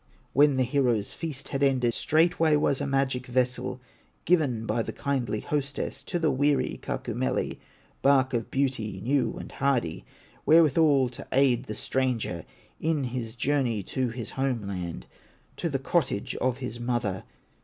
When the hero's feast had ended, Straightway was a magic vessel Given by the kindly hostess To the weary Kaukomieli, Bark of beauty, new and hardy, Wherewithal to aid the stranger In his journey to his home land, To the cottage of his mother.